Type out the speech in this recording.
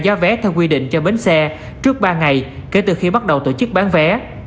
giá vé theo quy định cho bến xe trước ba ngày kể từ khi bắt đầu tổ chức bán vé